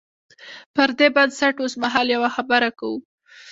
پر دې بنسټ اوسمهال یوه خبره کوو.